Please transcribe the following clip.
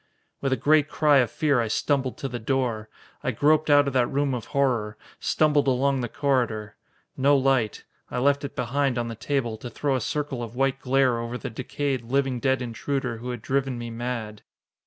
With a great cry of fear I stumbled to the door. I groped out of that room of horror, stumbled along the corridor. No light. I left it behind, on the table, to throw a circle of white glare over the decayed, living dead intruder who had driven me mad.